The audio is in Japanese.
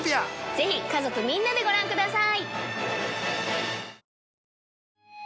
ぜひ家族みんなでご覧ください。